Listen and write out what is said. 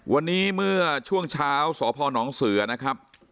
วันนี้เมื่อช่วงเช้าสพนเสือนะครับ